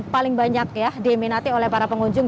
paling banyak ya diminati oleh para pengunjung